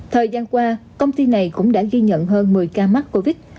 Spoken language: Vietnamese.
thời gian qua công ty này cũng đã ghi nhận hơn một mươi ca mắc covid